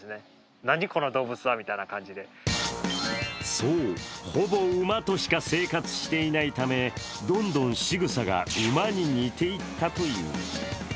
そう、ほぼ馬としか生活していないためどんどんしぐさが馬に似ていったという。